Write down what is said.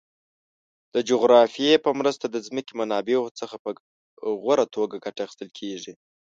د جغرافیه په مرسته د ځمکې منابعو څخه په غوره توګه ګټه اخیستل کیږي.